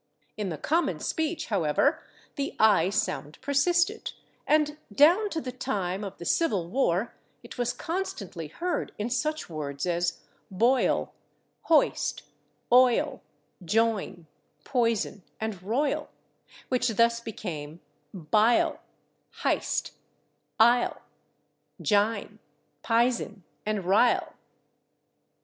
In the common speech, however, the /i/ sound persisted, and down to the time of [Pg236] the Civil War it was constantly heard in such words as /boil/, /hoist/, /oil/, /join/, /poison/ and /roil/, which thus became /bile/, /hist/, /ile/, /jine/, /pisen/ and /rile